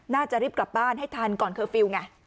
น่าจะรีบกลับบ้านให้ทันก่อนเคอร์ฟิลล์ไง